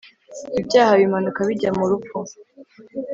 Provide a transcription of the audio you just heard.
Ibyaha bimanuka bijya mu rupfu